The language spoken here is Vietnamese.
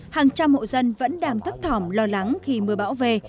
hàng trăm hộ dân vẫn đang thấp thỏm lo lắng khi mưa bão về